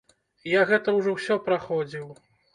Я гэта ўжо ўсё праходзіў!